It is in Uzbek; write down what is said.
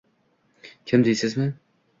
Kim deysizmi?